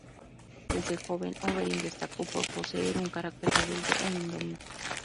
Desde joven, Oberyn destacó por poseer un carácter rebelde e indómito.